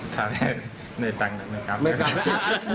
ถ้าไม่กลับมาแล้วไม่กลับ